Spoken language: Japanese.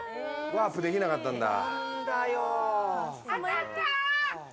ワープできなかったんだ。